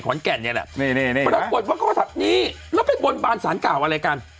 ปรากฏว่าก็ทักดิ์นี้แล้วไปบนบานสารกล่าวอะไรกัน